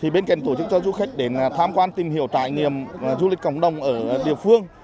bên cạnh tổ chức cho du khách đến tham quan tìm hiểu trải nghiệm du lịch cộng đồng ở địa phương